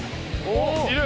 いる！